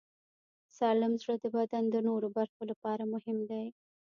سالم زړه د بدن د نورو برخو لپاره مهم دی.